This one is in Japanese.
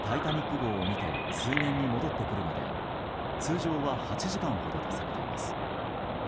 海底で「タイタニック号」を見て水面に戻ってくるまで通常は８時間ほどとされています。